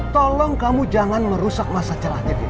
tolong kamu jangan merusak masa celahnya